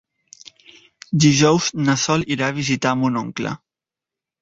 Dijous na Sol irà a visitar mon oncle.